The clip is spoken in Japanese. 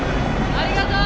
ありがとう！